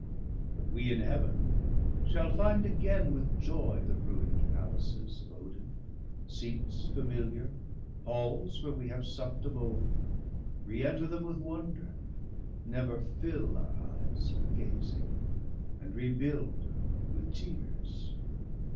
But we in Heaven shall find again with joy The ruin'd palaces of Odin, seats Familiar, halls where we have supp'd of old; Re enter them with wonder, never fill Our eyes with gazing, and rebuild with tears.